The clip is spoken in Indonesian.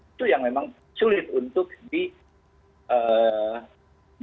itu yang memang sulit untuk di